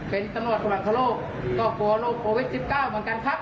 เป็นตำรวจสวรรค์โครโลกก็กลัวโลกโครวิทย์สิบเก้าเหมือนกันครับ